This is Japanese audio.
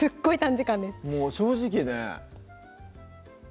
もう正直ね